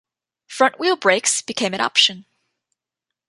Front-wheel brakes became an option.